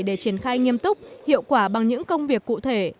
để triển khai nghiêm túc hiệu quả bằng những công việc cụ thể